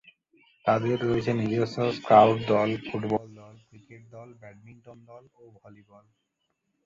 তাদের রয়েছে নিজস্ব স্কাউট দল, ফুটবল দল, ক্রিকেট দল, ব্যাডমিন্টন দল ও ভলিবল দল।